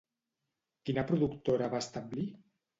Quina productora va establir?